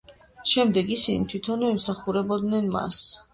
შემდეგ ისინი თვითონვე ემსახურებოდნენ მას.